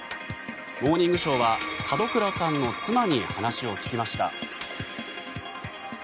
「モーニングショー」は門倉さんの妻に話を聞きました。